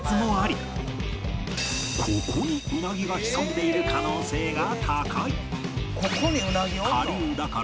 ここにウナギが潜んでいる可能性が高い